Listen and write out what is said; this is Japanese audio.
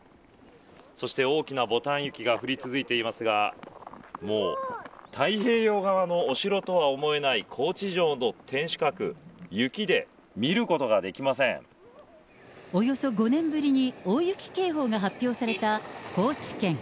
そして大きなぼたん雪が降り続いていますが、もう太平洋側のお城とは思えない、高知城の天守閣、雪で見ることがおよそ５年ぶりに大雪警報が発表された高知県。